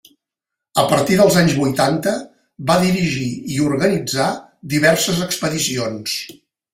A partir dels anys vuitanta va dirigir i organitzar diverses expedicions.